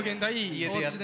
家でやった。